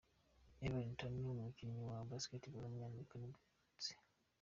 Evan Turner, umukinnyi wa basketball w’umunyamerika nibwo yavutse.